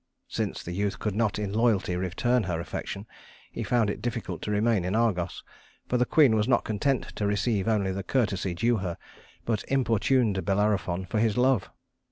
Since the youth could not in loyalty return her affection, he found it difficult to remain in Argos; for the queen was not content to receive only the courtesy due her, but importuned Bellerophon for his love.